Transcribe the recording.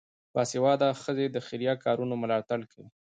باسواده ښځې د خیریه کارونو ملاتړ کوي.